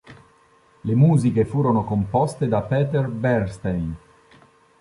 Le musiche furono composte da Peter Bernstein.